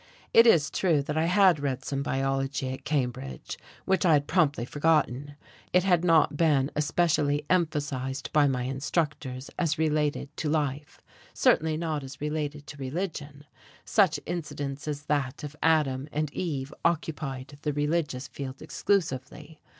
It is true that I had read some biology at Cambridge, which I had promptly forgotten; it had not been especially emphasized by my instructors as related to life certainly not as related to religion: such incidents as that of Adam and Eve occupied the religious field exclusively.